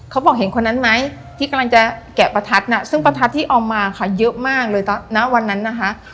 เขาบอกเห็นคนนั้นไหมที่กำลังจะแกะประทัดน่ะซึ่งประทัดที่เอามาค่ะเยอะมากเลยณวันนั้นนะคะ